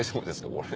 これ。